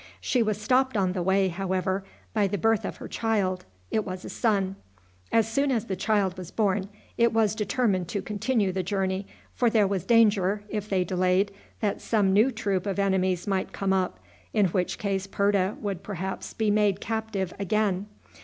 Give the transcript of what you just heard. She was stopped on the way, however, by the birth of her child. It was a son. As soon as the child was born it was determined to continue the journey, for there was danger, if they delayed, that some new troop of enemies might come up, in which case Purta would perhaps be made captive again.